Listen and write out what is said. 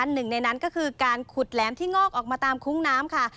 หนึ่งในนั้นก็คือการขุดแหลมที่งอกออกมาตามคุ้งน้ำค่ะ